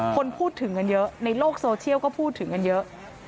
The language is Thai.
คนพูดถึงกันเยอะในโลกโซเชียลก็พูดถึงกันเยอะ